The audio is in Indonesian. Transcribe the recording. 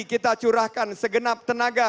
kita curahkan segenap tenaga